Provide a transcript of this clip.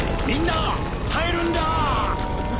みんな耐えるんだ！